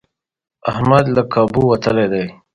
احمد له کابو وتلی دی.